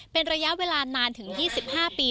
เป็นระยะเวลานานถึง๒๕ปี